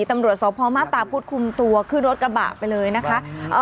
ตำรวจสอบพร้อมห้าตาพูดคุมตัวขึ้นรถกระบะไปเลยนะคะ